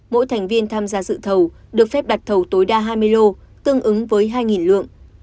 mỗi thành viên tham gia dự thầu được phép đặt thầu tối đa hai mươi lô tương ứng với hai lượng